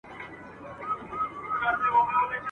په پردیو وزرونو ځي اسمان ته !.